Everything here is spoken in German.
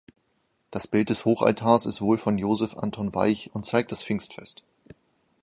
Das Bild des Hochaltars ist wohl von Joseph Anton Walch und zeigt das Pfingstfest.